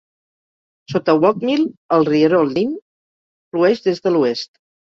Sota Walk Mill, el rierol Limb flueix des de l'oest.